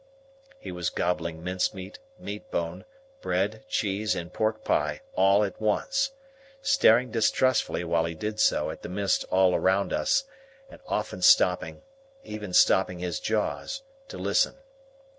He was gobbling mincemeat, meatbone, bread, cheese, and pork pie, all at once: staring distrustfully while he did so at the mist all round us, and often stopping—even stopping his jaws—to listen.